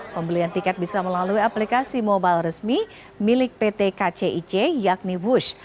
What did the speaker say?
pembelian tiket bisa melalui aplikasi mobile resmi milik pt kcic yakni wush